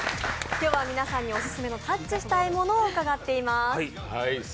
今日は皆さんにオススメのタッチしたいものを伺っています。